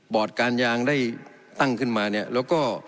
การยางได้ตั้งขึ้นมาเนี่ยแล้วก็